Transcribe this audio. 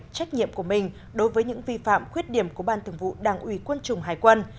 trách nhiệm của mình đối với những vi phạm khuyết điểm của ban thường vụ đảng ủy quân chủng hải quân